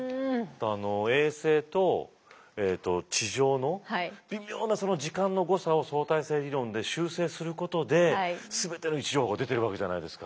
あの衛星と地上の微妙な時間の誤差を相対性理論で修正することで全ての位置情報出てるわけじゃないですか。